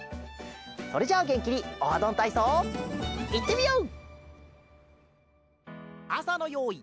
それじゃあげんきに「オハどんたいそう」いってみよう！